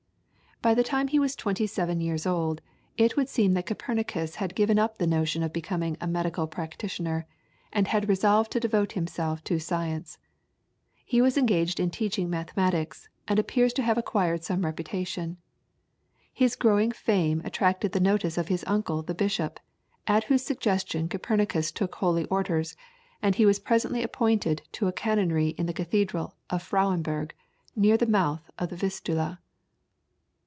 By the time he was twenty seven years old, it would seem that Copernicus had given up the notion of becoming a medical practitioner, and had resolved to devote himself to science. He was engaged in teaching mathematics, and appears to have acquired some reputation. His growing fame attracted the notice of his uncle the bishop, at whose suggestion Copernicus took holy orders, and he was presently appointed to a canonry in the cathedral of Frauenburg, near the mouth of the Vistula.